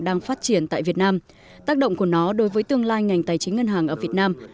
đang phát triển tại việt nam tác động của nó đối với tương lai ngành tài chính ngân hàng ở việt nam